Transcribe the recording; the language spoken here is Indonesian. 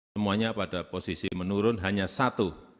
semuanya pada posisi menurun hanya satu